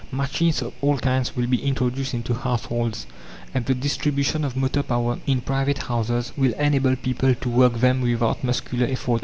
Machines of all kinds will be introduced into households, and the distribution of motor power in private houses will enable people to work them without muscular effort.